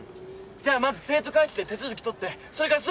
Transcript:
じゃまず生徒会室で手続き取ってそれからすぐ練習だよ。